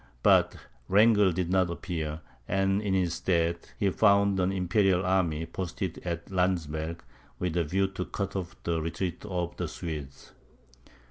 But Wrangel did not appear; and in his stead, he found an Imperial army posted at Landsberg, with a view to cut off the retreat of the Swedes.